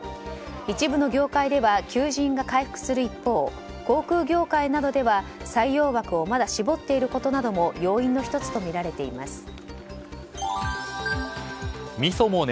一部の業界では求人が回復する一方航空業界などでは採用枠をまだ絞っていることなども要因の１つとみられています。